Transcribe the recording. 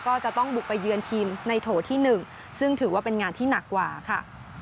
ก็จะต้องบุกไปเยือนทีมในโถที่๑ซึ่งถือว่าเป็นงานที่หนักกว่าค่ะ